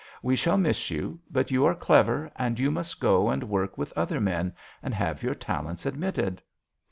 We shall miss you, but you are clever and must go and work with other men and have your talents admitted."